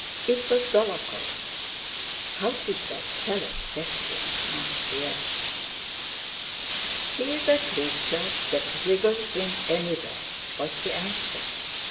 It was Dólokhov. "How did that fellow get here?" asked Pierre. "He's a creature that wriggles in anywhere!" was the answer.